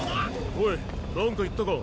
おいなんか言ったか？